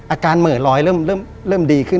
เหมือนรอยเริ่มดีขึ้น